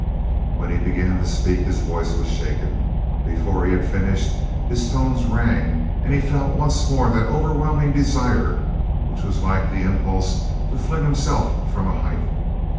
When he began to speak his voice was shaken; before he had finished, his tones rang, and he felt once more that overwhelming desire which was like the impulse to fling himself from a height.